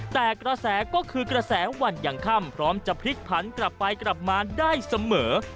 แต่กระแสก็คือกระแสวันอย่างค่ำพร้อมจะพลิกผันกลับไปกลับมาได้เสมอ